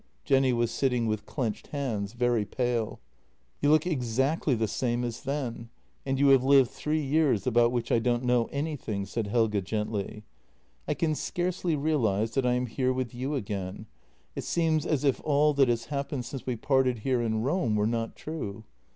Jenny was sitting with clenched hands, very pale. " You look exactly the same as then, and you have lived three years about which I don't know anything," said Helge gently. " I can scarcely realize that I am here with you again — it seems as if all that has happened since we parted here in Rome were not true.